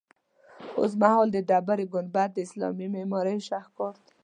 اوسمهال د ډبرې ګنبد د اسلامي معمارۍ یو شهکار دی.